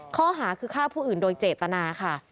ข้อหาคือฆ่าผู้อื่นโดยเจตนาค่ะ